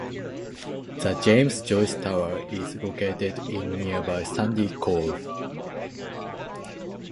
The James Joyce Tower is located in nearby Sandycove.